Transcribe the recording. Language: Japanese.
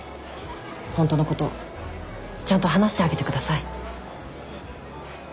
ホントのことちゃんと話してあげてください。